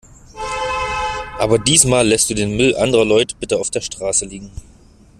Aber diesmal lässt du den Müll anderer Leut bitte auf der Straße liegen.